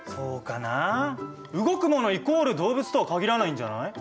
イコール動物とは限らないんじゃない？